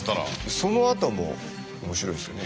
そのあとも面白いですよね。